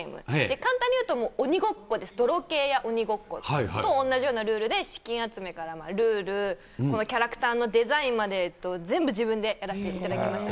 簡単に言うと、鬼ごっこです、どろけいや鬼ごっこと同じようなルールで、資金集めからルール、キャラクターのデザインまで全部自分でやらせていただきました。